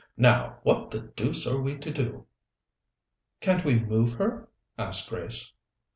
Now, what the deuce are we to do?" "Can't we move her? asked Grace.